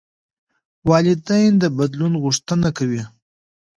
والدین د بدلون غوښتنه کوي.